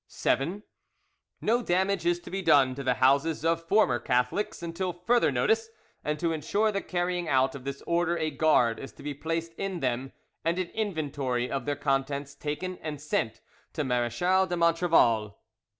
"VII. No damage is to be done to the houses of former Catholics until further notice, and to ensure the carrying out of this order a guard is to be placed in them, and an inventory of their contents taken and sent to Marechal de Montrevel.